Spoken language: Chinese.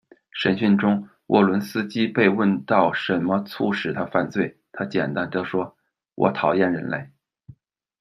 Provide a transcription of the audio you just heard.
审讯中，沃伦斯基被问到什么促使他犯罪，他简单地说：“我讨厌人类。